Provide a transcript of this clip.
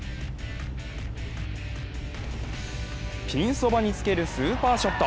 ピンそばにつけるスーパーショット。